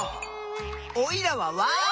おいらはワーオ！